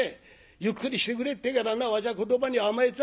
ゆっくりしてくれってからなわしは言葉に甘えた。